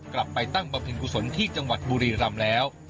กลับไปตั้งประพินธุ์กุศลที่จังหวัดบุรีรำแล้ว